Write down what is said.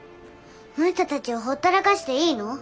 その人たちをほったらかしていいの？